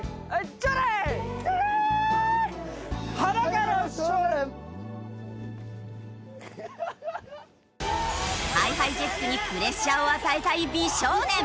チョレーイ！ＨｉＨｉＪｅｔｓにプレッシャーを与えたい美少年。